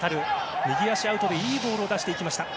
右足アウトでいいボールを出していきました。